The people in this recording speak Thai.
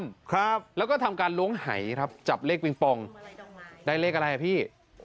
นะครับแล้วก็ทำการล้วไหใชครับจับเลขวิ่งปล่องได้เลขอะไรพี่